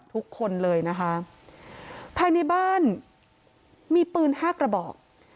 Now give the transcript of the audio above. ทุกคนเลยนะคะภายในบ้านมีปืนห้ากระบอก